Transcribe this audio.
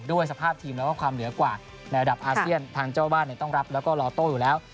สภาพทีมแล้วก็ความเหนือกว่าในระดับอาเซียนทางเจ้าบ้านต้องรับแล้วก็รอโต้อยู่แล้ว